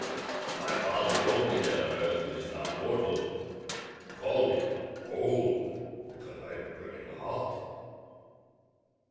"My father told me that on Earth it is not mortal. He called it 'cold' but I am burning hot."